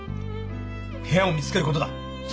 部屋を見つけることだ。